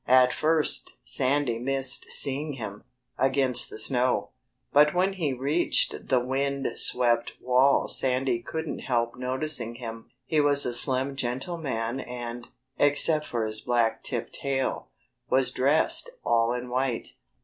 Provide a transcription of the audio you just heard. At first Sandy missed seeing him, against the snow. But when he reached the wind swept wall Sandy couldn't help noticing him. He was a slim gentleman and except for his black tipped tail was dressed all in white.